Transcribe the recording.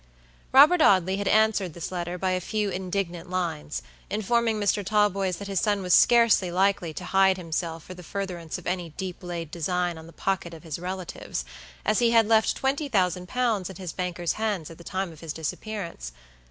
Robert Audley had answered this letter by a few indignant lines, informing Mr. Talboys that his son was scarcely likely to hide himself for the furtherance of any deep laid design on the pockets of his relatives, as he had left twenty thousand pounds in his bankers' hands at the time of his disappearance.